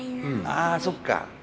ああそっか。